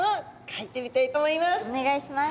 お願いします。